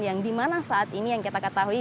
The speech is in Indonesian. yang dimana saat ini yang kita ketahui